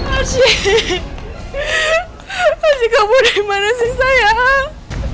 arsi arsi kamu di mana sih sayang